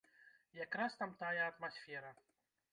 Як раз там тая атмасфера.